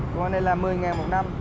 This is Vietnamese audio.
còn cái này là một mươi đồng một năm